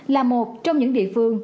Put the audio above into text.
là một trong những địa phương